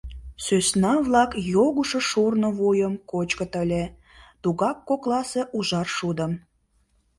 Сӧсна-влак йогышо шурно вуйым кочкыт ыле, тугак кокласе ужар шудым.